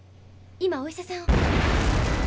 今お医者さんを。